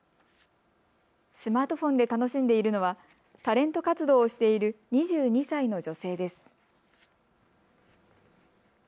スマートフォンで楽しんでいるのはタレント活動をしている２２歳の女性です。